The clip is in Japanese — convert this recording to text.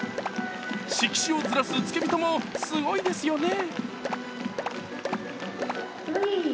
色紙をずらす付け人もすごいですよね。